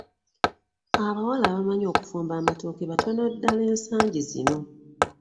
Abawala abamanyi okufumba amatooke batono ddala ensangi zino.